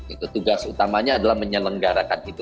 itu tugas utamanya adalah menyelenggarakan itu